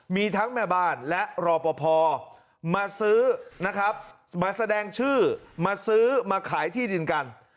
มีทั้งแม่บ้านและรอปภมาซื้อนะครับมาแสดงชื่อมาซื้อมาขายที่ดินกัน